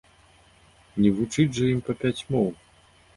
Не вучыць жа ім па пяць моў?